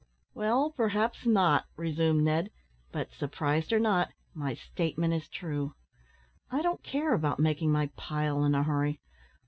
"Well, perhaps not," resumed Ned; "but, surprised or not, my statement is true. I don't care about making my `pile' in a hurry.